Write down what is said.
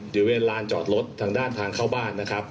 บริเวณลานจอดรถทางด้านทางเข้าบ้านนะครับ